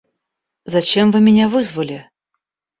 Зачем вы меня вызвали?